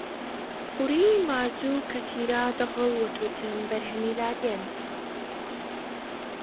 خوری، مازوو، کەتیرە، دەغڵ و تووتن بەرهەمی لادێن